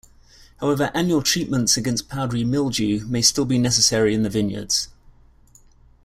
However annual treatments against powdery mildew may still be necessary in the vineyards.